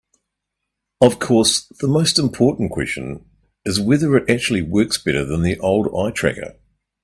Of course, the most important question is whether it actually works better than the old eye tracker.